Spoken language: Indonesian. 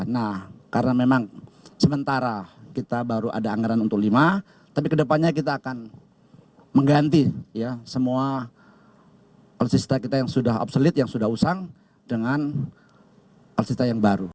nah karena memang sementara kita baru ada anggaran untuk lima tapi kedepannya kita akan mengganti ya semua alutsista kita yang sudah obsolete yang sudah usang dengan alutsista yang baru